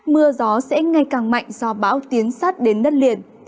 mưa gió sẽ ngày càng mạnh do bão tiến sát đến đất liền